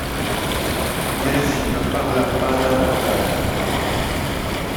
Mais il ne parla pas davantage.